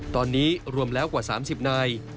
ตอนนี้รวมแล้วกว่า๓๐นาย